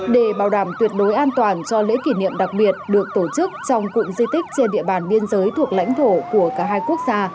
để bảo đảm tuyệt đối an toàn cho lễ kỷ niệm đặc biệt được tổ chức trong cụm di tích trên địa bàn biên giới thuộc lãnh thổ của cả hai quốc gia